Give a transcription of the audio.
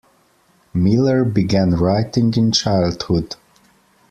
Miller began writing in childhood.